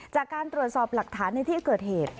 จากการตรวจสอบหลักฐานในที่เกิดเหตุ